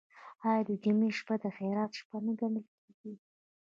آیا د جمعې شپه د خیرات شپه نه ګڼل کیږي؟